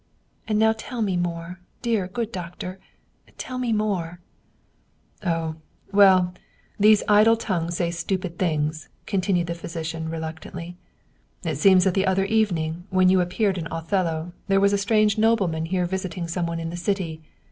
And now tell me more, dear good doctor, tell me more !"" Oh, well, these idle tongues say stupid things," con tinued the physician reluctantly. " It seems that the other evening, when you appeared in ' Othello,' there was a strange nobleman here visiting some one in the city.